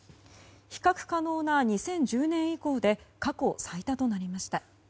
比較可能な２０１０年以降で過去最多となりました。